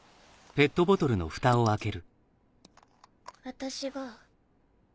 私が。